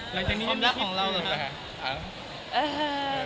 ความรักของเราหรือเปล่าคะ